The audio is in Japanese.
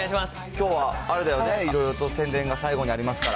きょうはあれだよね、いろいろと宣伝が最後にありますから。